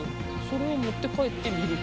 それを持って帰って見る。